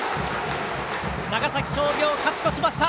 長崎商業、勝ち越しました。